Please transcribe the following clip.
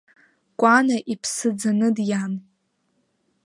Кәана иԥсы ӡаны диан.